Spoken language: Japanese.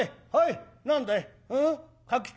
何だい？